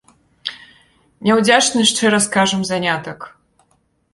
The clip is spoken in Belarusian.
Няўдзячны, шчыра скажам, занятак!